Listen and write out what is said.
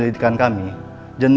alam sellaka kalian